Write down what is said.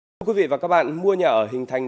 thưa quý vị và các bạn mua nhà ở hình thành